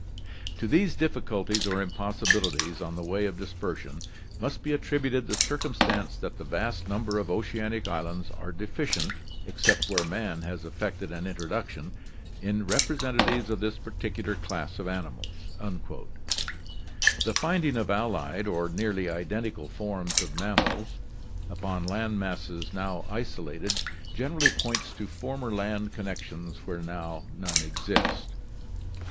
To these difficulties or impossibilities in the way of dispersion must be attributed the circumstance that the vast number of oceanic islands are deficient, except where man has effected an introduction, in representatives of this particular class of animals." The finding of allied or nearly identical forms of mammals upon land masses now isolated generally points to former land connections where none now exist.